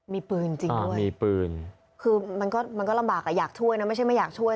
มีปืนจริงด้วยมีปืนคือมันก็มันก็ลำบากอ่ะอยากช่วยนะไม่ใช่ไม่อยากช่วย